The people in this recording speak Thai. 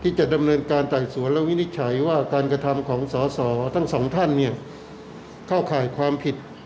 จะดำเนินการไต่สวนและวินิจฉัยว่าการกระทำของสอสอทั้งสองท่านเนี่ยเข้าข่ายความผิด